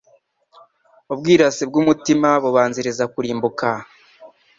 Ubwirasi bw’umutima bubanziriza kurimbuka